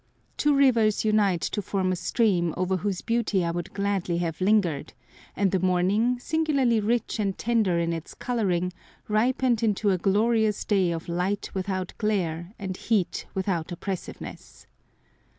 Two rivers unite to form a stream over whose beauty I would gladly have lingered, and the morning, singularly rich and tender in its colouring, ripened into a glorious day of light without glare, and heat without oppressiveness.